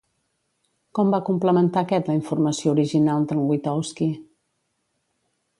Com va complementar aquest la informació original d'en Witowski?